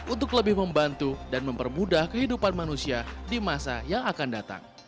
untuk lebih membantu dan mempermudah kehidupan manusia di masa yang akan datang